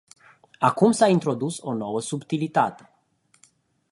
Acum s-a introdus o nouă subtilitate.